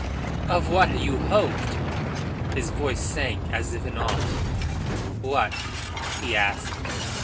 "Of what you hoped?" His voice sank as if in awe. "What?" he asked.